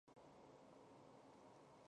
担任右后卫。